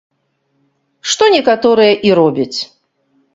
Што некаторыя і робяць.